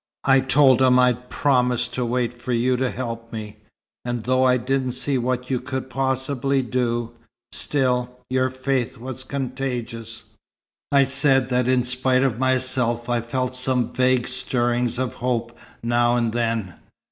I told him I'd promised to wait for you to help me; and though I didn't see what you could possibly do, still, your faith was contagious. I said that in spite of myself I felt some vague stirrings of hope now and then.